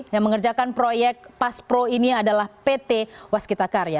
yang mengerjakan proyek paspro ini adalah pt waskita karya